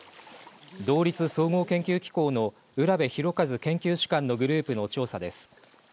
道立総合研究機構の卜部浩一研究主幹のグループの調査です。